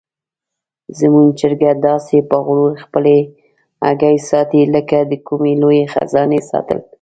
زموږ چرګه داسې په غرور خپلې هګۍ ساتي لکه د کومې لویې خزانې ساتل.